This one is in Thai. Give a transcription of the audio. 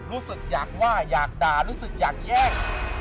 รู้สึกอยากว่าอยากด่ารู้สึกอยากแย่ง